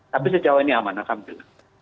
tapi sejauh ini aman alhamdulillah